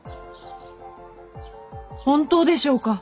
本当でしょうか？